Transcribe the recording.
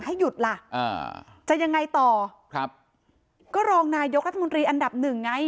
ให้หยุดล่ะอ่าจะยังไงต่อครับก็รองนายกรัฐมนตรีอันดับหนึ่งไง